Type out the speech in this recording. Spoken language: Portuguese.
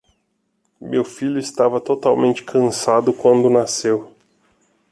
Meu filho estava totalmente cansado quando nasceu.